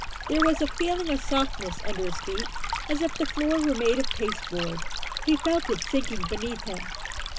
There was a feeling of softness under his feet, as if the floor were made of pasteboard. He felt it sinking beneath him.